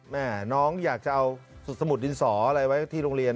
แม่น้องอยากจะเอาสมุดดินสออะไรไว้ที่โรงเรียน